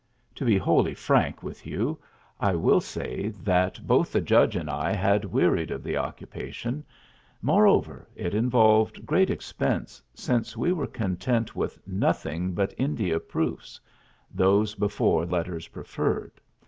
To be wholly frank with you, I will say that both the Judge and I had wearied of the occupation; moreover, it involved great expense, since we were content with nothing but India proofs (those before letters preferred).